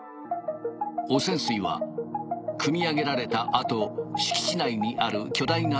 汚染水はくみ上げられた後敷地内にある。